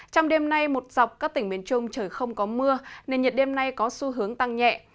trong đêm nay một dọc các tỉnh miền trung trời không có mưa nên nhiệt đêm nay có xu hướng tăng nhẹ